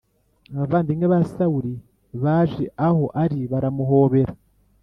abavandimwe ba Sawuli baje aho ari baramuhobera